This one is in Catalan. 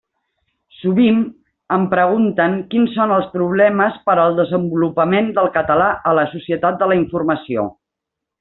Sovint em pregunten quins són els problemes per al desenvolupament del català a la societat de la informació.